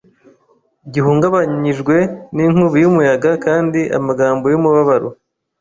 gihungabanyijwe n'inkubi y'umuyaga kandi amagambo y'umubabaro